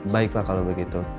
baik pak kalau begitu